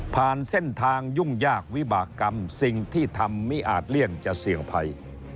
เส้นทางยุ่งยากวิบากรรมสิ่งที่ทำมิอาจเลี่ยงจะเสี่ยงภัย